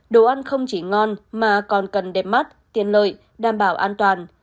đồ ăn không chỉ ngon mà còn cần đẹp mắt tiền lợi đảm bảo an toàn